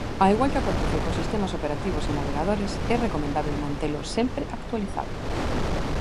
Ao igual que acontece cos sistemas operativos e navegadores, é recomendábel mantelo sempre actualizado.